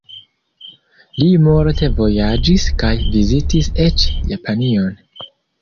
Li multe vojaĝis kaj vizitis eĉ Japanion.